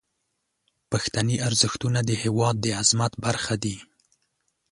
پښتني ارزښتونه د هیواد د عظمت برخه دي.